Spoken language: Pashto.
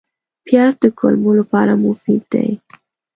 پیاز د کولمو لپاره مفید دی